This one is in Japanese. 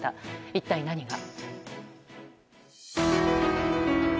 一体何が？